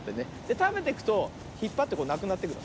たべてくとひっぱってこうなくなってくの。